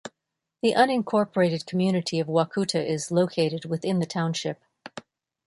The unincorporated community of Wacouta is located within the township.